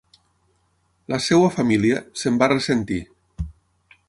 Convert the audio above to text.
La seva família se'n va ressentir.